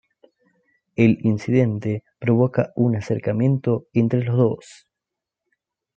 El incidente provoca un acercamiento entre los dos.